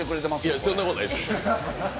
いや、そんなことないです。